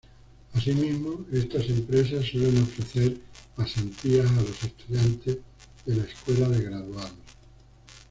Asimismo, estas empresas suelen ofrecer pasantías a los estudiantes de la escuela de graduados.